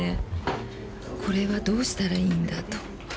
これはどうしたらいいんだと。